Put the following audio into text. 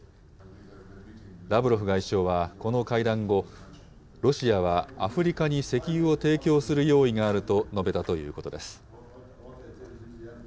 ラブロフ外相は、この会談後、ロシアはアフリカに石油を提供する用意があると述べたということです。